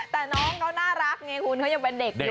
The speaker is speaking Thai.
แต่น้องเขาน่ารักไงคุณเขายังเป็นเด็กอยู่